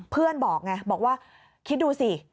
บอกไงบอกว่าคิดดูสิ